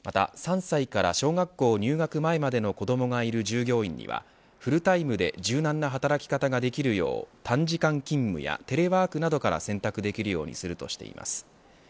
また、３歳から小学校入学前までの子どもがいる従業員にはフルタイムで柔軟な働き方ができるよう短時間勤務やテレワークなどから選択できるようにするとしています。